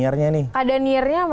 semasa jadi gadis air tersebut